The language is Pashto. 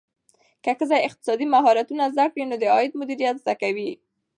که ښځه اقتصادي مهارتونه زده کړي، نو د عاید مدیریت زده کوي.